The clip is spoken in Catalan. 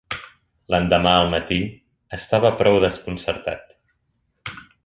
L'endemà al matí estava prou desconcertat.